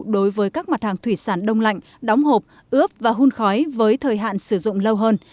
đối với các mặt hàng thủy sản đông lạnh đóng hộp ướp và hun khói với thời hạn sử dụng lâu hơn